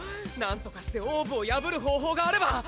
なんとかしてオーブを破る方法があれば！